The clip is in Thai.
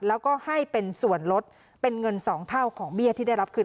แล้วก็ให้เป็นส่วนลดเป็นเงิน๒เท่าของเบี้ยที่ได้รับคืน